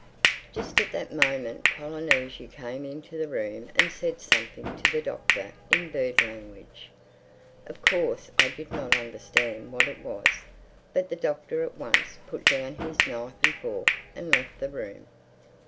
JUST at that moment Polynesia came into the room and said something to the Doctor in bird language. Of course I did not understand what it was. But the Doctor at once put down his knife and fork and left the room.